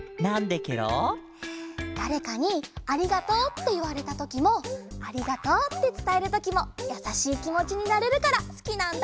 だれかに「ありがとう」っていわれたときも「ありがとう」ってつたえるときもやさしいきもちになれるからすきなんだ！